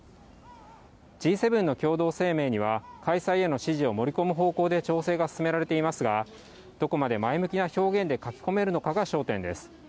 Ｇ７の共同声明には、開催への支持を盛り込む方向で調整が進められていますが、どこまで前向きな表現で書き込めるのかが焦点です。